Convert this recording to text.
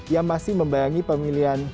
yang masih membayangi pemilihan